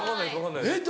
えっ